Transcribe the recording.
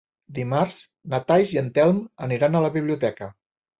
Dimarts na Thaís i en Telm aniran a la biblioteca.